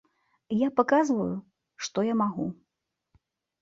Я паказваю, што я магу.